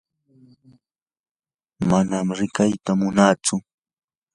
manam ruqayta munatsu.